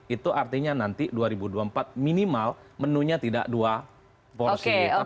itu artinya nanti dua ribu dua puluh empat minimal menunya tidak dua porsi